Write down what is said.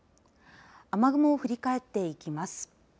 雨雲を振り返っていきます。